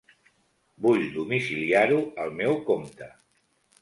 Vull domiciliar-ho al meu compte.